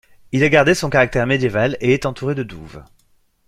Il a gardé son caractère médiéval et est entouré de douves.